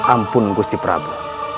ampun gusti prabu